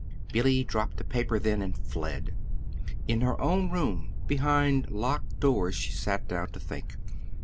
Billy dropped the paper then and fled. In her own room, behind locked doors, she sat down to think.